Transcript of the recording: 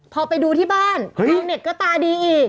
พอไปดูที่บ้านเครื่องเหน็กก็ตาดีอีก